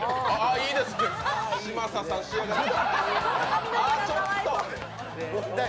いいですね、嶋佐さん仕上がって。